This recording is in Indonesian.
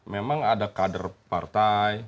memang ada kader partai